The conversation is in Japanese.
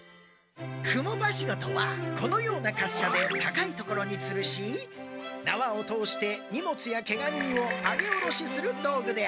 蜘蛛梯子とはこのようなかっしゃで高い所につるしなわを通して荷物やケガ人を上げ下ろしする道具である。